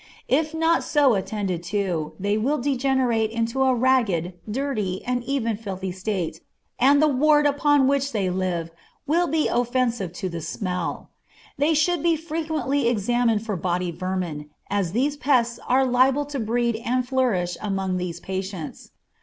If not so attended to, they will degenerate into a ragged, dirty, and even filthy state, and the ward upon which they live will be offensive to the smell. They should be frequently examined for body vermin, as these pests are liable to breed and flourish among these patients.